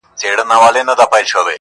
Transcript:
ای د نشې د سمرقند او بُخارا لوري,